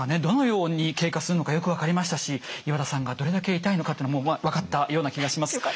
どのように経過するのかよく分かりましたし岩田さんがどれだけ痛いのかというのも分かったような気がします。